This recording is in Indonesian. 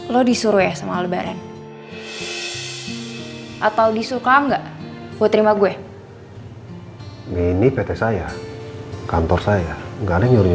lu disuruh ya sama lebaran atau disuruh enggak buat terima gue ini pt saya kantor saya nggak ada yang nyuruhnya